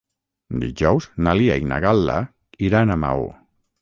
Dijous na Lia i na Gal·la iran a Maó.